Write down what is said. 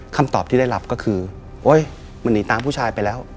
คำตอบที่ได้รับก็คือโอ๊ยมันหนีตามผู้ชายไปแล้ว